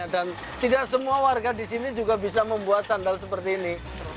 dan tidak semua warga di sini juga bisa membuat sandal seperti ini